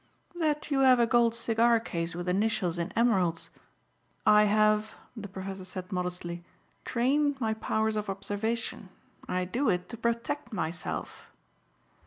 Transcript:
"That you have a gold cigar case with initials in emeralds. I have," the professor said modestly, "trained my powers of observation. I do it to protect myself."